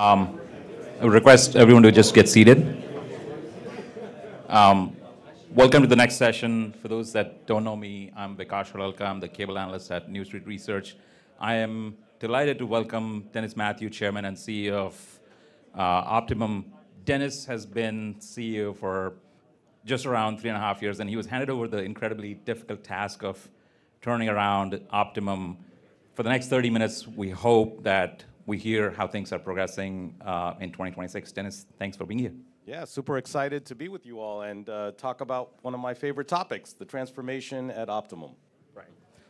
I request everyone to just get seated. Welcome to the next session. For those that don't know me, I'm Vikash Harlalka. I'm the cable analyst at New Street Research. I am delighted to welcome Dennis Mathew, Chairman and CEO of Optimum. Dennis has been CEO for just around three and a half years, and he was handed over the incredibly difficult task of turning around Optimum. For the next 30 minutes, we hope that we hear how things are progressing in 2026. Dennis, thanks for being here. Yeah, super excited to be with you all and talk about one of my favorite topics, the transformation at Optimum. Right.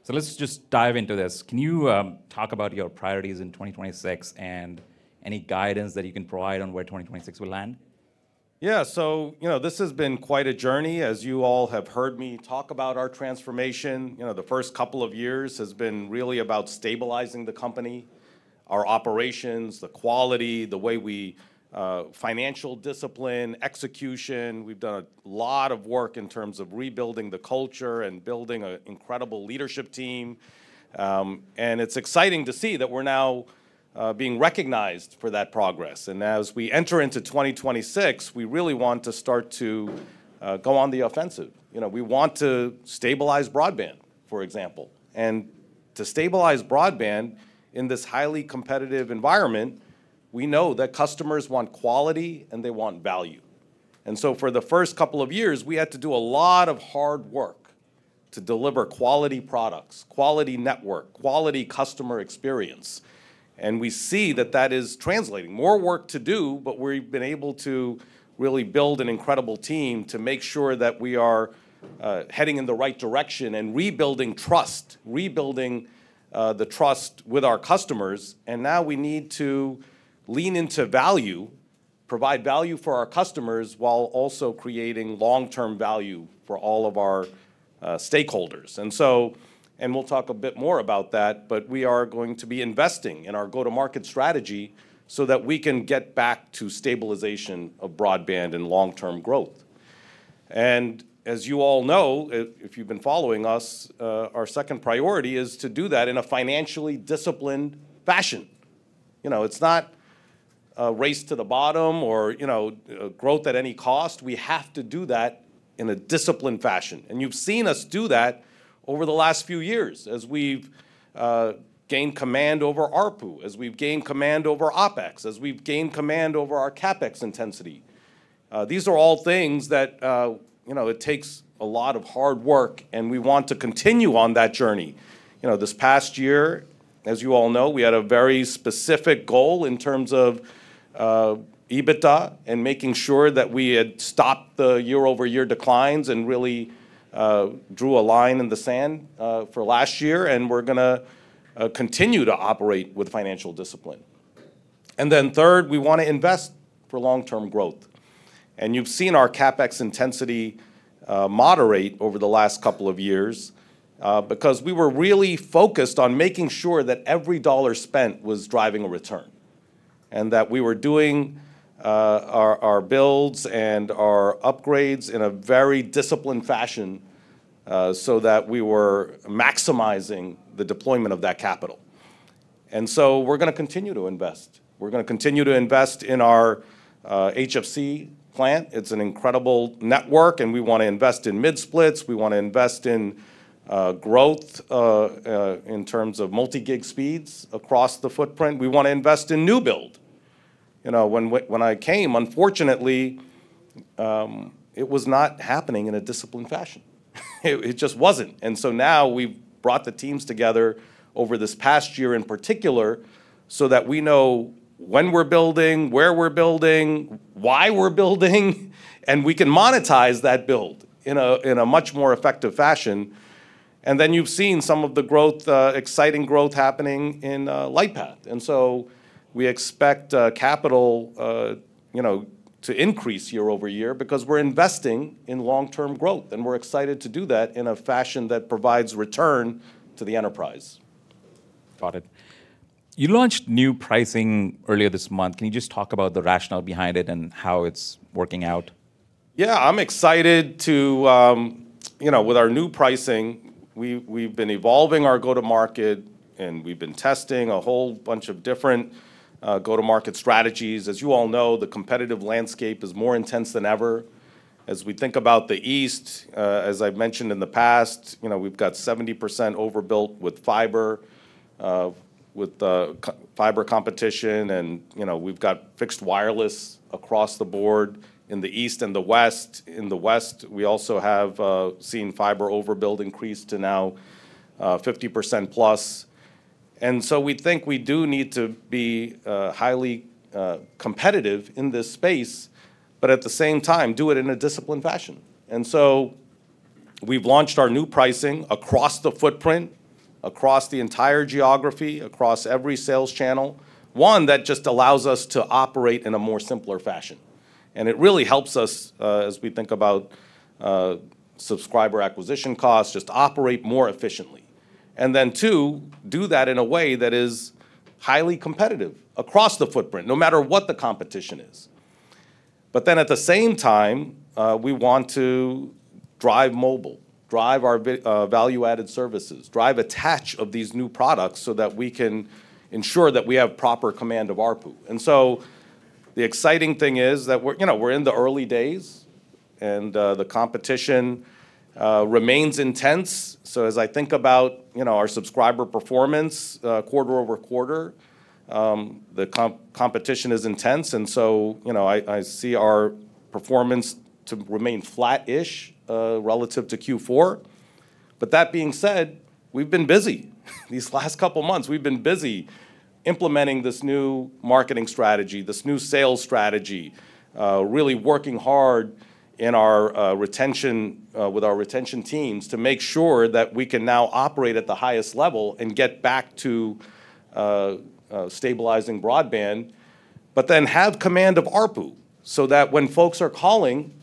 Let's just dive into this. Can you talk about your priorities in 2026 and any guidance that you can provide on where 2026 will land? Yeah. You know, this has been quite a journey, as you all have heard me talk about our transformation. You know, the first couple of years has been really about stabilizing the company, our operations, the quality, the way we, financial discipline, execution. We've done a lot of work in terms of rebuilding the culture and building an incredible leadership team. It's exciting to see that we're now being recognized for that progress. As we enter into 2026, we really want to start to go on the offensive. You know, we want to stabilize broadband, for example. To stabilize broadband in this highly competitive environment, we know that customers want quality and they want value. For the first couple of years, we had to do a lot of hard work to deliver quality products, quality network, quality customer experience, and we see that that is translating. More work to do, but we've been able to really build an incredible team to make sure that we are heading in the right direction and rebuilding trust, rebuilding the trust with our customers. Now we need to lean into value, provide value for our customers, while also creating long-term value for all of our stakeholders. We'll talk a bit more about that, but we are going to be investing in our go-to-market strategy so that we can get back to stabilization of broadband and long-term growth. As you all know, if you've been following us, our second priority is to do that in a financially disciplined fashion. You know, it's not a race to the bottom or, you know, growth at any cost. We have to do that in a disciplined fashion, and you've seen us do that over the last few years as we've gained command over ARPU, as we've gained command over OpEx, as we've gained command over our CapEx intensity. These are all things that, you know, it takes a lot of hard work, and we want to continue on that journey. You know, this past year, as you all know, we had a very specific goal in terms of EBITDA and making sure that we had stopped the year-over-year declines and really drew a line in the sand for last year, and we're gonna continue to operate with financial discipline. Third, we wanna invest for long-term growth. You've seen our CapEx intensity moderate over the last couple of years because we were really focused on making sure that every dollar spent was driving a return and that we were doing our builds and our upgrades in a very disciplined fashion so that we were maximizing the deployment of that capital. We're gonna continue to invest. We're gonna continue to invest in our HFC plant. It's an incredible network, and we wanna invest in mid-split. We wanna invest in growth in terms of multi-gig speeds across the footprint. We wanna invest in new build. You know, when I came, unfortunately, it was not happening in a disciplined fashion. It just wasn't. Now we've brought the teams together over this past year in particular so that we know when we're building, where we're building, why we're building, and we can monetize that build in a much more effective fashion. Then you've seen some of the growth, exciting growth happening in Lightpath. We expect capital, you know, to increase year-over-year because we're investing in long-term growth, and we're excited to do that in a fashion that provides return to the enterprise. Got it. You launched new pricing earlier this month. Can you just talk about the rationale behind it and how it's working out? Yeah. I'm excited to, you know, with our new pricing, we've been evolving our go-to-market, and we've been testing a whole bunch of different go-to-market strategies. As you all know, the competitive landscape is more intense than ever. As we think about the East, as I've mentioned in the past, you know, we've got 70% overbuilt with fiber, with fiber competition, and, you know, we've got fixed wireless across the board in the East and the West. In the West, we also have seen fiber overbuild increase to now 50%+. We think we do need to be highly competitive in this space, but at the same time, do it in a disciplined fashion. We've launched our new pricing across the footprint, across the entire geography, across every sales channel. One, that just allows us to operate in a more simpler fashion, and it really helps us, as we think about, subscriber acquisition costs, just operate more efficiently. Then two, do that in a way that is highly competitive across the footprint, no matter what the competition is. At the same time, we want to drive mobile, drive our value-added services, drive attach of these new products so that we can ensure that we have proper command of ARPU. The exciting thing is that we're. You know, we're in the early days, and, the competition, remains intense. As I think about, you know, our subscriber performance, quarter-over-quarter, the competition is intense. You know, I see our performance to remain flat-ish, relative to Q4. That being said, we've been busy. These last couple months, we've been busy implementing this new marketing strategy, this new sales strategy, really working hard in our retention with our retention teams to make sure that we can now operate at the highest level and get back to stabilizing broadband, but then have command of ARPU so that when folks are calling,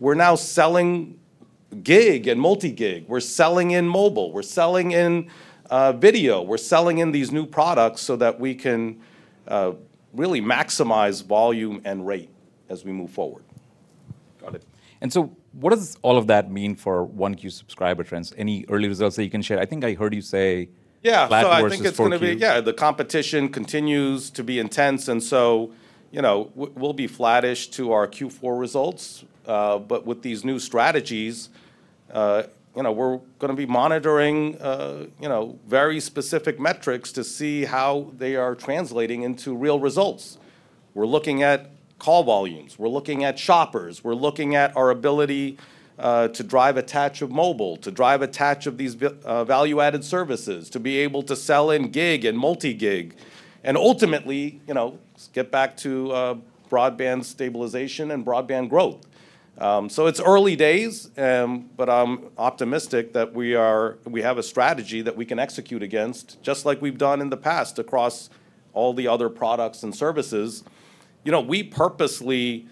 we're now selling gig and multi-gig. We're selling in mobile. We're selling in video. We're selling in these new products so that we can really maximize volume and rate as we move forward. Got it. What does all of that mean for 1Q subscriber trends? Any early results that you can share? I think I heard you say- Yeah.... flat versus 4Q. I think it's gonna be. Yeah, the competition continues to be intense and so, you know, we'll be flattish to our Q4 results. But with these new strategies, you know, we're gonna be monitoring, you know, very specific metrics to see how they are translating into real results. We're looking at call volumes. We're looking at shoppers. We're looking at our ability to drive attach of mobile, to drive attach of these value-added services, to be able to sell in gig and multi-gig and ultimately, you know, get back to broadband stabilization and broadband growth. It's early days, but I'm optimistic that we have a strategy that we can execute against, just like we've done in the past across all the other products and services. You know, we purposely,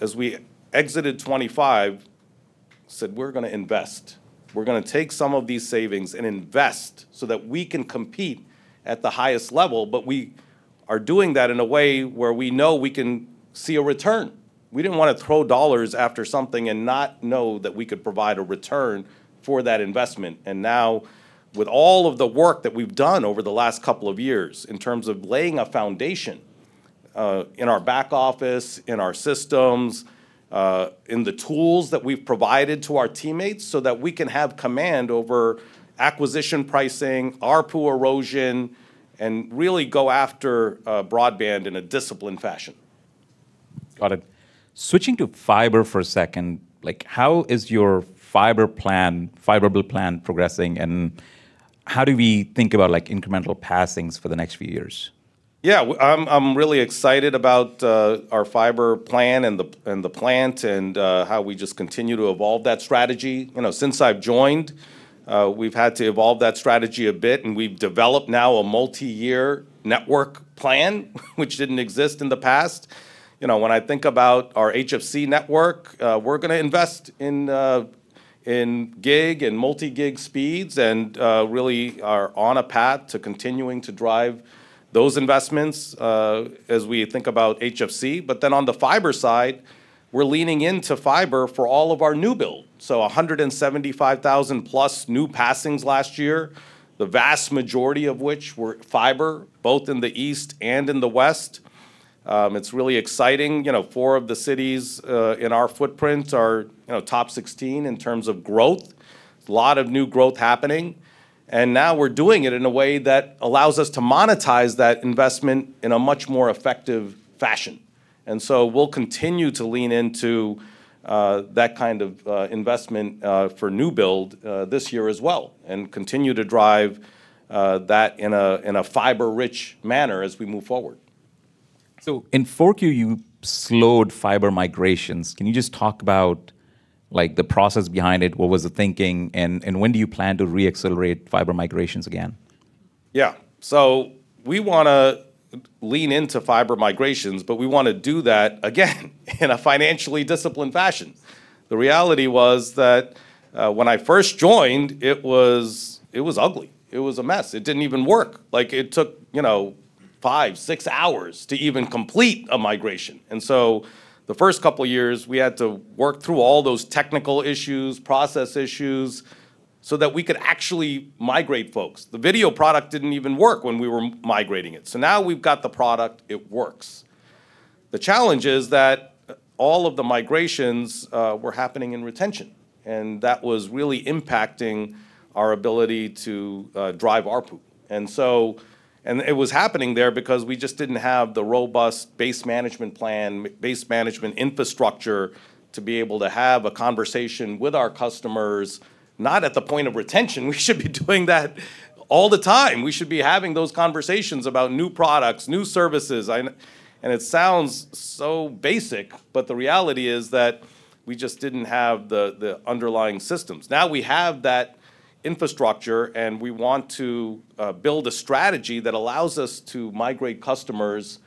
as we exited 2025, said, "We're gonna invest. We're gonna take some of these savings and invest so that we can compete at the highest level," but we are doing that in a way where we know we can see a return. We didn't wanna throw dollars after something and not know that we could provide a return for that investment and now with all of the work that we've done over the last couple of years in terms of laying a foundation, in our back office, in our systems, in the tools that we've provided to our teammates so that we can have command over acquisition pricing, ARPU erosion, and really go after broadband in a disciplined fashion. Got it. Switching to fiber for a second, like, how is your fiber plan, fiber build plan progressing, and how do we think about, like, incremental passings for the next few years? Yeah. I'm really excited about our fiber plan and the plant and how we just continue to evolve that strategy. You know, since I've joined, we've had to evolve that strategy a bit, and we've developed now a multi-year network plan, which didn't exist in the past. You know, when I think about our HFC network, we're gonna invest in gig and multi-gig speeds and really are on a path to continuing to drive those investments as we think about HFC. On the fiber side, we're leaning into fiber for all of our new build. 175,000+ new passings last year, the vast majority of which were fiber, both in the East and in the West. It's really exciting. You know, four of the cities in our footprint are, you know, top 16 in terms of growth. A lot of new growth happening, and now we're doing it in a way that allows us to monetize that investment in a much more effective fashion. We'll continue to lean into that kind of investment for new build this year as well and continue to drive that in a fiber-rich manner as we move forward. In 4Q, you slowed fiber migrations. Can you just talk about, like, the process behind it? What was the thinking, and when do you plan to re-accelerate fiber migrations again? Yeah. We wanna lean into fiber migrations, but we wanna do that, again, in a financially disciplined fashion. The reality was that, when I first joined, it was ugly. It was a mess. It didn't even work. Like, it took, you know, five, six hours to even complete a migration. The first couple years, we had to work through all those technical issues, process issues, so that we could actually migrate folks. The video product didn't even work when we were migrating it. Now we've got the product. It works. The challenge is that, all of the migrations were happening in retention, and that was really impacting our ability to drive ARPU. It was happening there because we just didn't have the robust base management plan, our base management infrastructure to be able to have a conversation with our customers, not at the point of retention. We should be doing that all the time. We should be having those conversations about new products, new services. It sounds so basic, but the reality is that we just didn't have the underlying systems. Now we have that infrastructure, and we want to build a strategy that allows us to migrate customers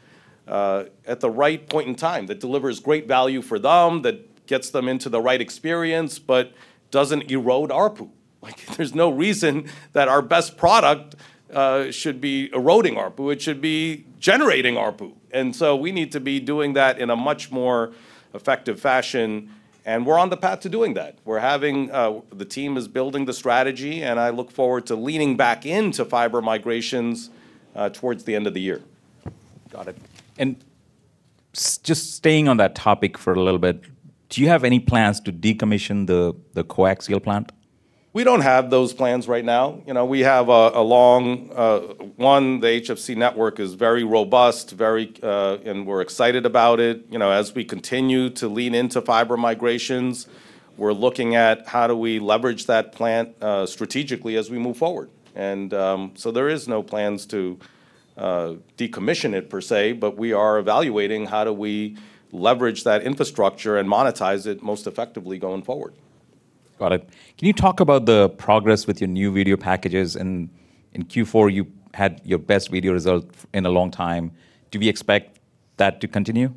at the right point in time, that delivers great value for them, that gets them into the right experience, but doesn't erode ARPU. Like, there's no reason that our best product should be eroding ARPU, it should be generating ARPU. We need to be doing that in a much more effective fashion, and we're on the path to doing that. The team is building the strategy, and I look forward to leaning back into fiber migrations towards the end of the year. Got it. Just staying on that topic for a little bit, do you have any plans to decommission the coaxial plant? We don't have those plans right now. You know, we have the HFC network is very robust, and we're excited about it. You know, as we continue to lean into fiber migrations, we're looking at how do we leverage that plant strategically as we move forward. There is no plans to decommission it per se, but we are evaluating how do we leverage that infrastructure and monetize it most effectively going forward. Got it. Can you talk about the progress with your new video packages? In Q4 you had your best video result in a long time. Do we expect that to continue?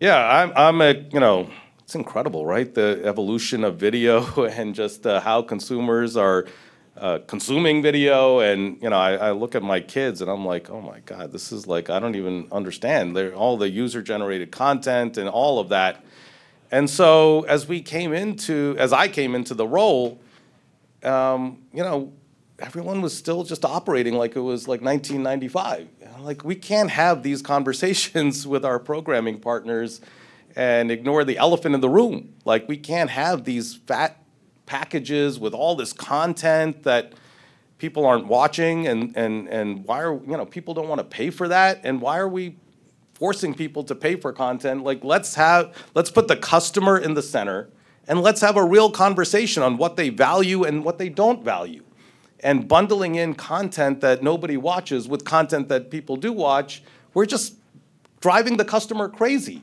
Yeah. I'm a, you know, it's incredible, right? The evolution of video and just how consumers are consuming video. You know, I look at my kids and I'm like, "Oh my God, this is like I don't even understand." They're all the user-generated content and all of that. As I came into the role, you know, everyone was still just operating like it was like 1995. You know, like, we can't have these conversations with our programming partners and ignore the elephant in the room. Like, we can't have these fat packages with all this content that people aren't watching and why are, you know, people don't wanna pay for that, and why are we forcing people to pay for content? Like, let's put the customer in the center, and let's have a real conversation on what they value and what they don't value. Bundling in content that nobody watches with content that people do watch, we're just driving the customer crazy.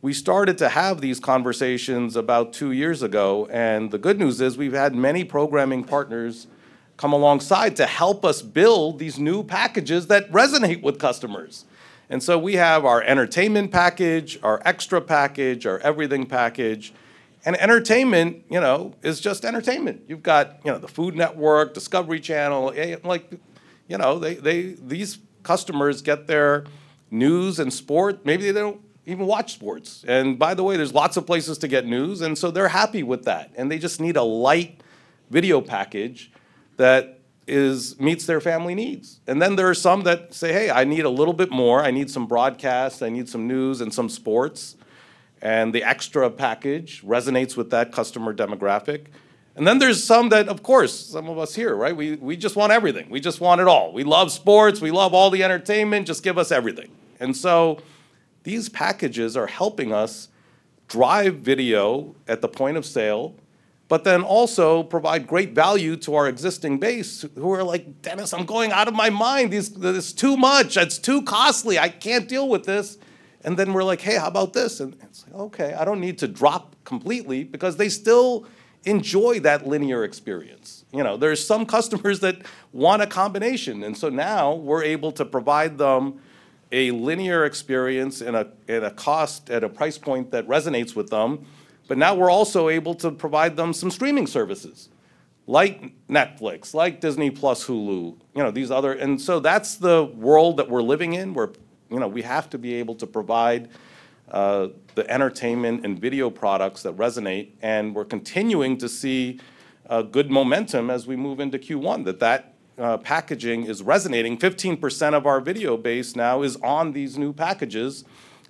We started to have these conversations about two years ago, and the good news is we've had many programming partners come alongside to help us build these new packages that resonate with customers. We have our entertainment package, our extra package, our everything package. Entertainment, you know, is just entertainment. You've got, you know, the Food Network, Discovery Channel. Like, you know, they. These customers get their news and sports. Maybe they don't even watch sports. By the way, there's lots of places to get news, and so they're happy with that, and they just need a light video package that meets their family needs. There are some that say, "Hey, I need a little bit more. I need some broadcasts. I need some news and some sports." The extra package resonates with that customer demographic. There's some that, of course, some of us here, right? We just want everything. We just want it all. We love sports. We love all the entertainment. Just give us everything. These packages are helping us drive video at the point of sale, but then also provide great value to our existing base who are like, "Dennis, I'm going out of my mind. This is too much. It's too costly. I can't deal with this." Then we're like, "Hey, how about this?" It's, "Okay, I don't need to drop completely," because they still enjoy that linear experience. You know, there's some customers that want a combination. Now we're able to provide them a linear experience in a cost, at a price point that resonates with them. Now we're also able to provide them some streaming services like Netflix, like Disney Plus, Hulu, you know, these other. That's the world that we're living in where, you know, we have to be able to provide the entertainment and video products that resonate, and we're continuing to see good momentum as we move into Q1, that packaging is resonating. 15% of our video base now is on these new packages,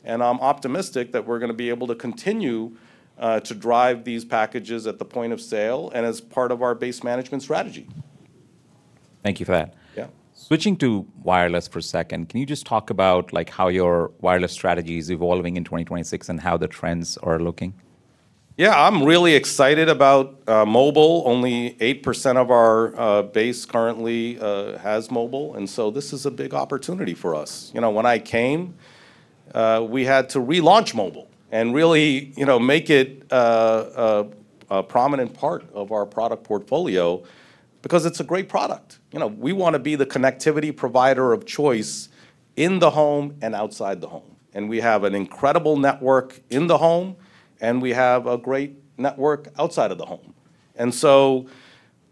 and I'm optimistic that we're gonna be able to continue to drive these packages at the point of sale and as part of our base management strategy. Thank you for that. Yeah. Switching to wireless for a second, can you just talk about, like, how your wireless strategy is evolving in 2026 and how the trends are looking? Yeah. I'm really excited about mobile. Only 8% of our base currently has mobile, and so this is a big opportunity for us. You know, when I came, we had to relaunch mobile and really, you know, make it a prominent part of our product portfolio because it's a great product. You know, we wanna be the connectivity provider of choice in the home and outside the home, and we have an incredible network in the home, and we have a great network outside of the home.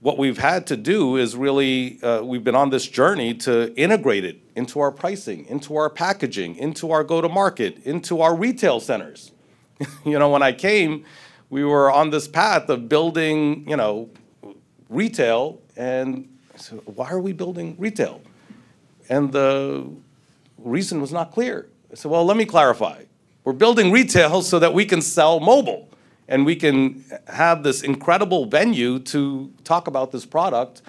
What we've had to do is really, we've been on this journey to integrate it into our pricing, into our packaging, into our go-to-market, into our retail centers. You know, when I came, we were on this path of building, you know, retail and I said, "Why are we building retail?" The reason was not clear. I said, "Well, let me clarify. We're building retail so that we can sell mobile, and we can have this incredible venue to talk about this product."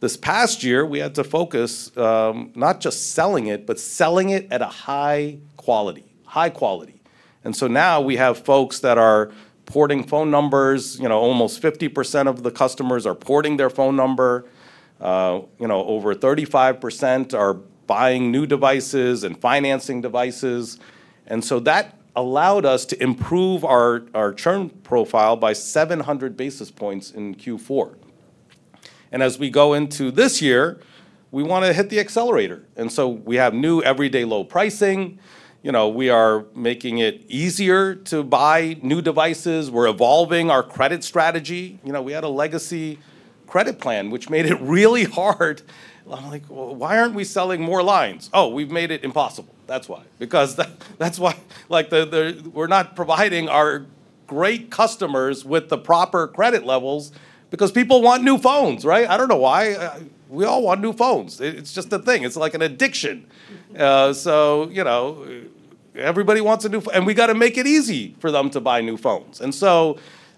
This past year we had to focus, not just selling it, but selling it at a high quality. High quality. Now we have folks that are porting phone numbers. You know, almost 50% of the customers are porting their phone number. You know, over 35% are buying new devices and financing devices. That allowed us to improve our churn profile by 700 basis points in Q4. As we go into this year, we wanna hit the accelerator, and so we have new everyday low pricing. You know, we are making it easier to buy new devices. We're evolving our credit strategy. You know, we had a legacy credit plan which made it really hard. I'm like, "Well, why aren't we selling more lines? Oh, we've made it impossible, that's why." Because that's why. We're not providing our great customers with the proper credit levels because people want new phones, right? I don't know why. We all want new phones. It's just a thing. It's like an addiction. You know, everybody wants a new. We gotta make it easy for them to buy new phones.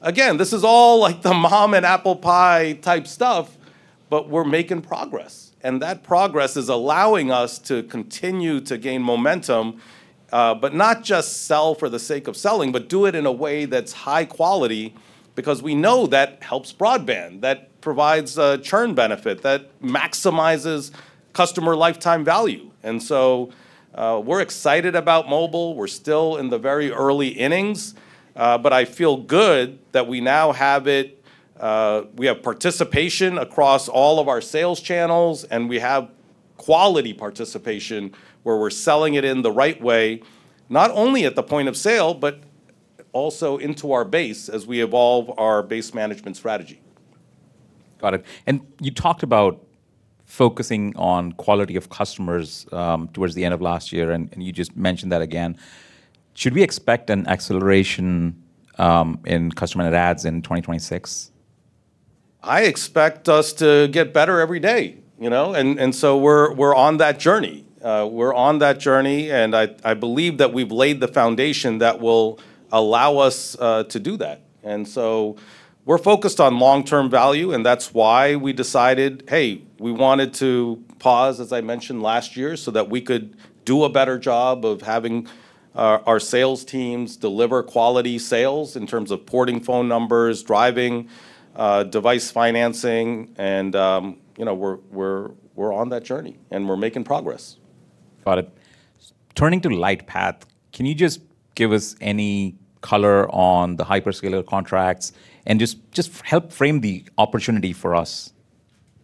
Again, this is all, like, the mom and apple pie type stuff, but we're making progress, and that progress is allowing us to continue to gain momentum, but not just sell for the sake of selling, but do it in a way that's high quality because we know that helps broadband. That provides a churn benefit. That maximizes customer lifetime value. We're excited about mobile. We're still in the very early innings, but I feel good that we now have it. We have participation across all of our sales channels, and we have quality participation where we're selling it in the right way, not only at the point of sale, but also into our base as we evolve our base management strategy. Got it. You talked about focusing on quality of customers towards the end of last year, and you just mentioned that again. Should we expect an acceleration in customer net adds in 2026? I expect us to get better every day, you know. We're on that journey. I believe that we've laid the foundation that will allow us to do that. We're focused on long-term value, and that's why we decided, hey, we wanted to pause, as I mentioned, last year so that we could do a better job of having our sales teams deliver quality sales in terms of porting phone numbers, driving device financing, and you know, we're on that journey, and we're making progress. Got it. Turning to Lightpath, can you just give us any color on the hyperscaler contracts and just help frame the opportunity for us?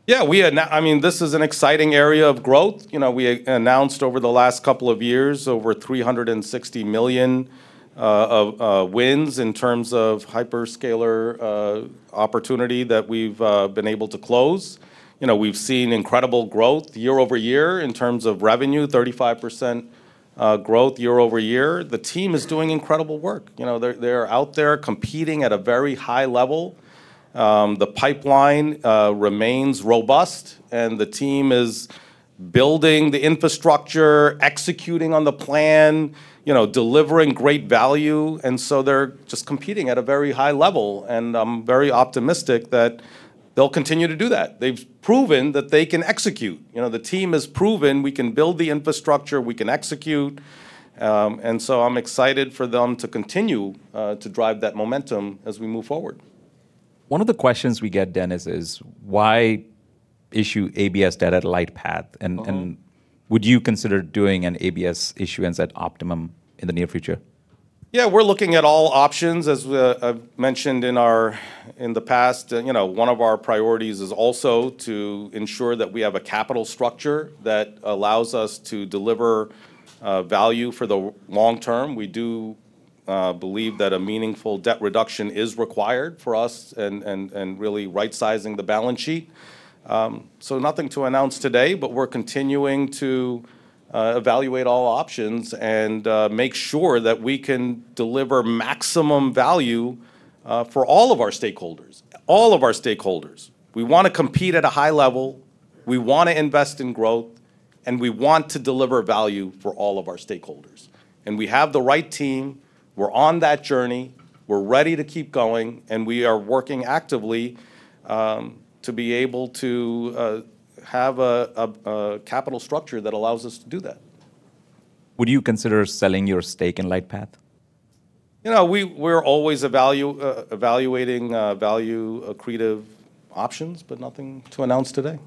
Yeah. I mean, this is an exciting area of growth. You know, we announced over the last couple of years over $360 million of wins in terms of hyperscaler opportunity that we've been able to close. You know, we've seen incredible growth year-over-year in terms of revenue, 35% growth year-over-year. The team is doing incredible work. You know, they're out there competing at a very high level. The pipeline remains robust, and the team is building the infrastructure, executing on the plan, you know, delivering great value, and so they're just competing at a very high level, and I'm very optimistic that they'll continue to do that. They've proven that they can execute. You know, the team has proven we can build the infrastructure, we can execute, and so I'm excited for them to continue to drive that momentum as we move forward. One of the questions we get, Dennis, is why issue ABS debt at Lightpath? Mm-hmm. Would you consider doing an ABS issuance at Optimum in the near future? Yeah, we're looking at all options. I've mentioned in our in the past, you know, one of our priorities is also to ensure that we have a capital structure that allows us to deliver value for the long term. We do believe that a meaningful debt reduction is required for us and really rightsizing the balance sheet. Nothing to announce today, but we're continuing to evaluate all options and make sure that we can deliver maximum value for all of our stakeholders. We wanna compete at a high level, we wanna invest in growth, and we want to deliver value for all of our stakeholders. We have the right team, we're on that journey, we're ready to keep going, and we are working actively to be able to have a capital structure that allows us to do that. Would you consider selling your stake in Lightpath? You know, we're always evaluating value accretive options but nothing to announce today.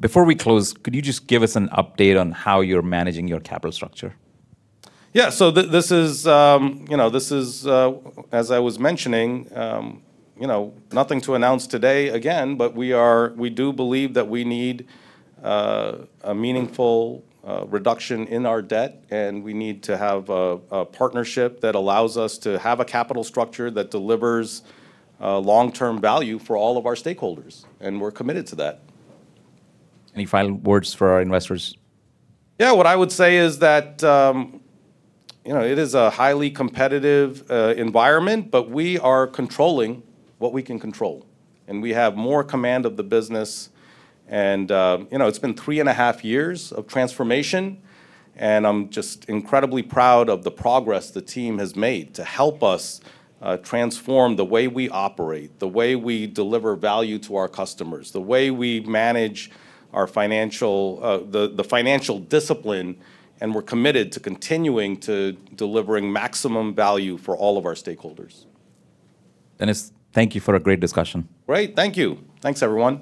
Before we close, could you just give us an update on how you're managing your capital structure? Yeah. This is, you know, as I was mentioning, you know, nothing to announce today, again, but we do believe that we need a meaningful reduction in our debt, and we need to have a partnership that allows us to have a capital structure that delivers long-term value for all of our stakeholders, and we're committed to that. Any final words for our investors? Yeah. What I would say is that, you know, it is a highly competitive environment, but we are controlling what we can control, and we have more command of the business. You know, it's been three and a half years of transformation, and I'm just incredibly proud of the progress the team has made to help us transform the way we operate, the way we deliver value to our customers, the way we manage our financial discipline, and we're committed to continuing to delivering maximum value for all of our stakeholders. Dennis, thank you for a great discussion. Great. Thank you. Thanks, everyone.